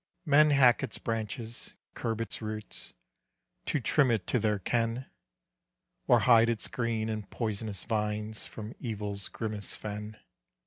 Men hack its branches, curb its roots, To trim it to their ken, Or hide its green in poisonous vines From evil's grimmest fen.